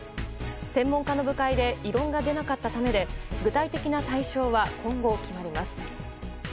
専門家の部会で異論が出なかったためで具体的な対象は今後、決まります。